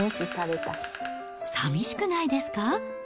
さみしくないですか。